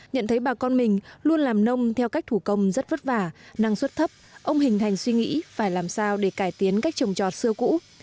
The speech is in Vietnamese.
nhận thấy bà con mình luôn làm nông theo cách thủ công rất vất vả năng suất thấp ông hình thành suy nghĩ phải làm sao để cải tiến cách trồng trọt xưa cũ